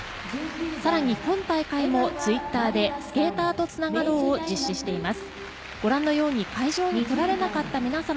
さらに今大会もＴｗｉｔｔｅｒで「＃スケーターとつながろう」を実施しています。